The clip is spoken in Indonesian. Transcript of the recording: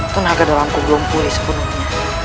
tenaga dalamku belum pulih sepenuhnya